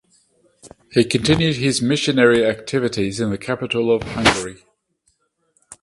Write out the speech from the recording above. He continued his missionary activities in the capital of Hungary.